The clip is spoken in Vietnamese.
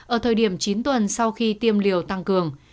ở thời điểm chín tuần sau khi tiêm liều tăng cường